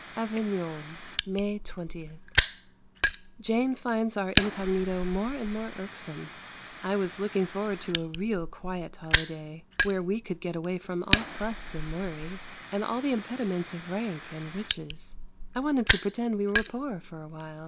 Avignon, May 20. Jane finds our incognito more and more irksome. I was looking forward to a real quiet holiday, where we could get away from all fuss and worry, and all the impediments of rank and riches. I wanted to pretend we were poor for a while.